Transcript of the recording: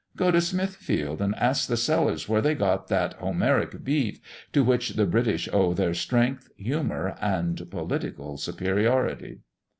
Go to Smithfield, and ask the sellers where they got that Homeric beef, to which the British owe their strength, humour, and political superiority?"